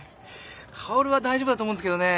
薫は大丈夫だと思うんですけどね